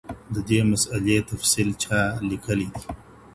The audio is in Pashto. د دي مسئلې تفصيل چا ليکلی دی؟